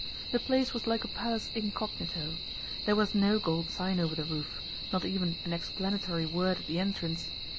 The place was like a palace incognito. There was no gold sign over the roof, not even an explanatory word at the entrance.